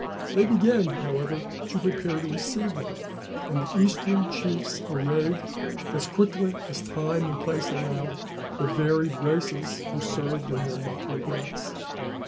They began, however, to prepare to receive them, and the Eastern chiefs arrayed, as quickly as time and place allowed, the varied races who served in their motley ranks.